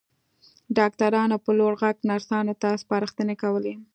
ډاکټرانو په لوړ غږ نرسانو ته سپارښتنې کولې.